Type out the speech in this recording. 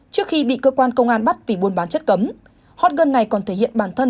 trước khi bị cơ quan công an bắt vì buôn bán chất cấm hot girl này còn thể hiện bản thân